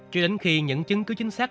trước đến khi những chứng cứ chính xác